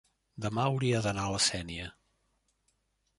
demà hauria d'anar a la Sénia.